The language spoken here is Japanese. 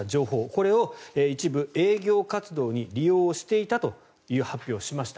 これを一部、営業活動に利用していたという発表をしました。